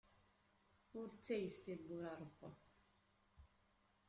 Ur ttayes tibbura n Ṛebbi!